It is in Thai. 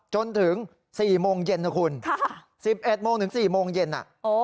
จนถึงสี่โมงเย็นนะคุณค่ะสิบเอ็ดโมงถึงสี่โมงเย็นน่ะอ๋อ